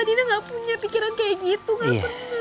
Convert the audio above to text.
dina gak punya pikiran kayak gitu gak